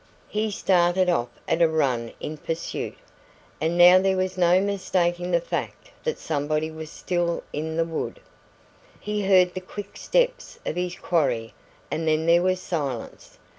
He started off at a run in pursuit, and now there was no mistaking the fact that somebody was still in the wood. He heard the quick steps of his quarry and then there was silence.